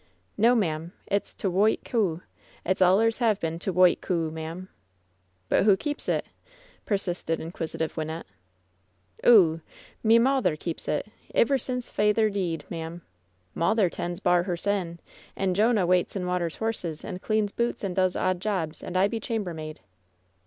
"No, ma'am. It's 'T' Whoit Coo.' It allers hev been 'T Whoit Coo,' ma'am." "But who keep9 it ?" persisted inquisitive Wynnette. "Oo ! Me mawther keeps it, iver sin' f eyther deed, ma'am. Mawther tends bar hersen, and Jonah waits and waters horses, and cleans boots, and does odd jobs, and I be chambermaid."